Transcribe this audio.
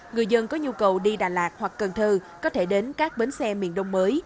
người dân có nhu cầu đi đà lạt hoặc cần thơ có thể đến các bến xe miền đông mới